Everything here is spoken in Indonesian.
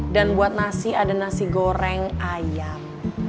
dan buat nasi ada nasi goreng ayam